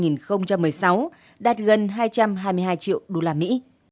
năm hai nghìn một mươi sáu đạt gần hai trăm hai mươi hai triệu đô la mỹ